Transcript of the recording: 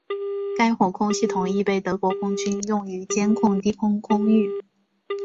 该火控系统亦被德国空军用于监控低空空域。